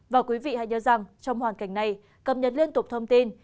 và quý vị hãy nhớ rằng trong hoàn cảnh này cập nhật liên tục thông tin